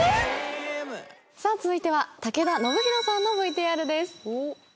さぁ続いては武田修宏さんのＶＴＲです。